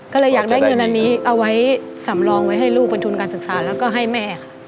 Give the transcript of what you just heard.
ก็เลยอยากได้เงินอันนี้เอาไว้สำรองไว้ให้ลูกเป็นทุนการศึกษาแล้วก็ให้แม่ค่ะ